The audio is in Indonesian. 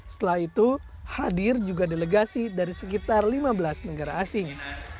setelah itu hadir juga delegasi dari sekitar lima belas negara asing